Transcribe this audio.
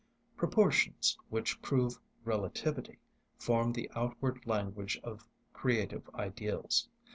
Proportions, which prove relativity, form the outward language of creative ideals.